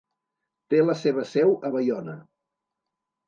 Té la seva seu a Baiona.